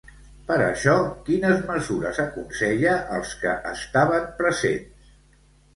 Per això, quines mesures aconsella als que estaven presents?